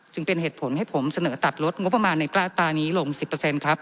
เป็นเหตุผลให้ผมเสนอตัดลดงบประมาณในกล้าตรานี้ลง๑๐ครับ